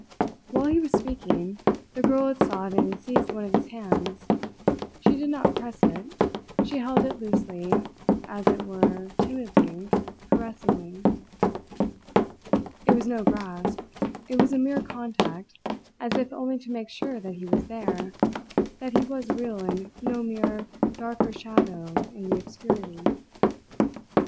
While he was speaking, the girl had sought and seized one of his hands. She did not press it; she held it loosely, as it were timidly, caressingly. It was no grasp; it was a mere contact, as if only to make sure that he was there, that he was real and no mere darker shadow in the obscurity.